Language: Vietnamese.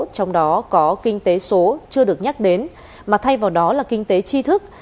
trong đó có kinh tế số chưa được nhắc đến mà thay vào đó là kinh tế chi thức